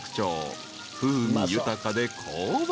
［風味豊かで香ばしい］